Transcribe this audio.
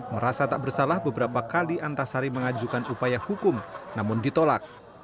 merasa tak bersalah beberapa kali antasari mengajukan upaya hukum namun ditolak